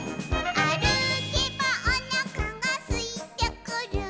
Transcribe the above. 「あるけばおなかがすいてくる」